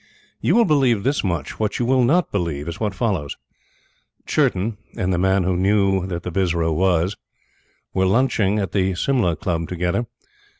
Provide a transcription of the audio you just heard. You will believe this much. What you will not believe, is what follows: Churton, and The Man who Knew that the Bisara was, were lunching at the Simla Club together.